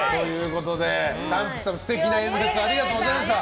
ダンプさん、素敵な演説ありがとうございました。